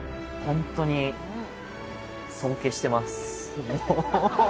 ホントに尊敬してます